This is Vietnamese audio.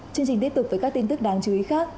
chương trình tiếp tục với các tin tức đáng chú ý khác